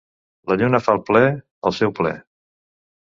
La lluna fa el ple, el seu ple.